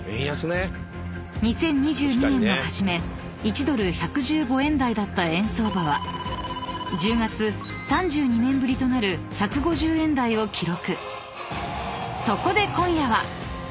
［２０２２年の初め１ドル１１５円台だった円相場は１０月３２年ぶりとなる１５０円台を記録］